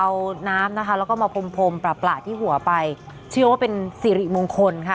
เอาน้ำนะคะแล้วก็มาพรมพรมประที่หัวไปเชื่อว่าเป็นสิริมงคลค่ะ